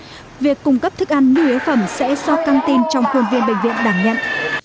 vì vậy việc cung cấp thức ăn nhu yếu phẩm sẽ do căng tin trong khuôn viên bệnh viện đảm nhận